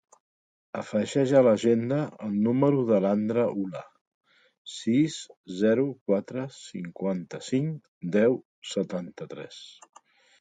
Afegeix a l'agenda el número de l'Andra Ullah: sis, zero, quatre, cinquanta-cinc, deu, setanta-tres.